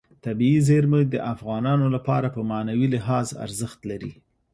طبیعي زیرمې د افغانانو لپاره په معنوي لحاظ ارزښت لري.